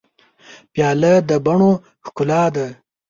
پیاله د بڼو ښکلا ده.